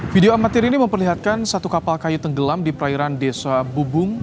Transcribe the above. video amatir ini memperlihatkan satu kapal kayu tenggelam di perairan desa bubung